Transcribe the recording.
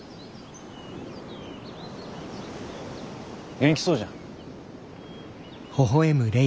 元気そうじゃん。